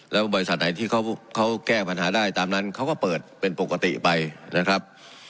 แล้วบริษัทไหนที่เขาแก้ปัญหาได้ตามนั้นเขาก็เปิดเป็นปกติไปนะครับ